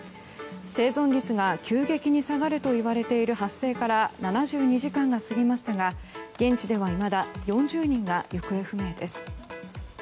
生存率が急激に下がるといわれている発生から７２時間が過ぎましたが現地ではいまだ４０人が行方不明です。